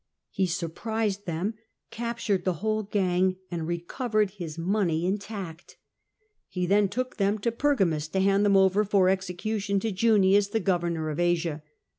He surprised them, captured the whole gang, and recovered his money intacL He then took them to Pergamus, to hand them over for execution to Junius, the governor of Asia.